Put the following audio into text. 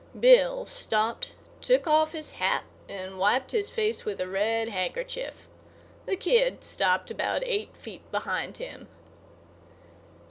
Bill stopped, took off his hat and wiped his face with a red handkerchief. The kid stopped about eight feet behind him.